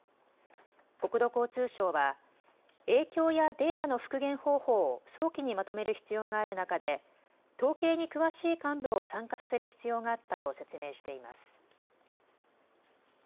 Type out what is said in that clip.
国土交通省は影響やデータの復元方法を早期にまとめる必要がある中で統計に詳しい幹部を参加させる必要があったと説明しています。